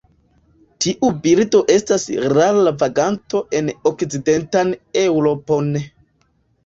Tiu birdo estas rara vaganto en okcidentan Eŭropon.